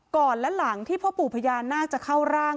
ก่อนและหลังที่พ่อปู่พญานาคจะเข้าร่าง